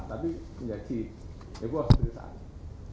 tapi menjadi ebos dari saat itu